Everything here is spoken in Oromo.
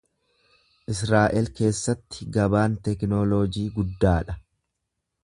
Israa’el keessatti gabaan teeknooloojii guddaa dha.